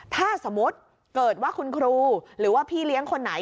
ถ้าสมมุติเกิดว่าคุณครูหรือว่าพี่เลี้ยงคนไหน